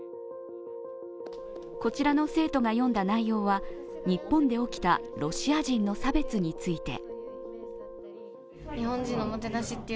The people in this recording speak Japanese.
こちらの生徒が読んだ内容は日本で起きたロシア人の差別について。